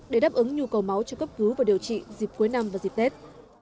để đáp ứng nhu cầu máu cho cấp cứu và điều trị dịp cuối năm và dịp tết